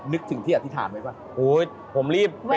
นึกถึงที่อธิษฐานไว้ป่ะ